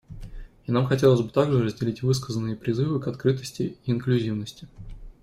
И нам хотелось бы также разделить высказанные призывы к открытости и инклюзивности.